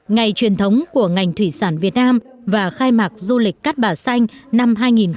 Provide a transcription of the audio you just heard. ngày truyền thống của ngành thủy sản việt nam và khai mạc du lịch cát bà xanh năm hai nghìn một mươi chín